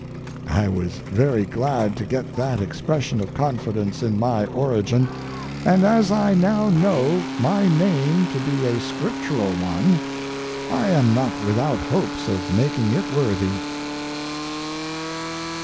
I was very glad to get that expression of confidence in my origin, and as I now know my name to be a scriptural one, I am not without hopes of making it worthy.